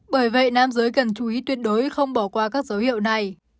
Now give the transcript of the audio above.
bởi vậy nam giới cần chú ý tuyệt đối không bỏ qua các dấu hiệu này